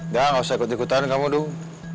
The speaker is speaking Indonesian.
udah gak usah ikut ikutan kamu dung